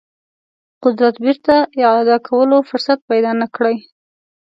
قدرت بیرته اعاده کولو فرصت پیدا نه کړي.